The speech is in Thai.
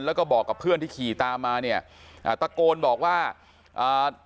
แล้วก็บอกกับเพื่อนที่ขี่ตามมาเนี่ยอ่าตะโกนบอกว่าอ่า